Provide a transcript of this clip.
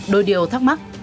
đôi điều thắc mắc